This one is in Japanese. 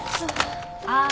ああ。